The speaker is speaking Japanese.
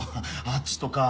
あっちとか。